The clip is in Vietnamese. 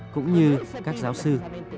cũng như các giáo sư